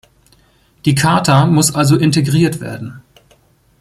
Die Charta muss also integriert werden.